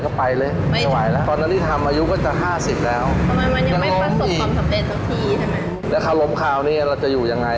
เคยอยากจะเลิกเคยอยากจะหนี